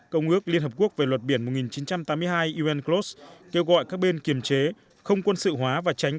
công ước liên hợp quốc về luật biển một nghìn chín trăm tám mươi hai unclos kêu gọi các bên kiềm chế không quân sự hóa và tránh